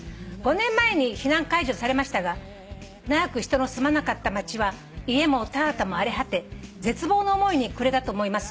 「５年前に避難解除されましたが長く人の住まなかった町は家も田畑も荒れ果て絶望の思いに暮れたと思います」